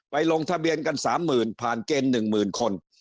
ไปลงทะเบียนกันสามหมื่นผ่านเกณฑ์หนึ่งหมื่นคน